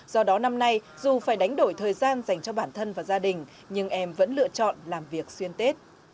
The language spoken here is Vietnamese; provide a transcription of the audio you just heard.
do đó năm nay dù phải đánh đổi thời gian dành cho bản thân và gia đình nhưng em vẫn lựa chọn làm việc xuyên tết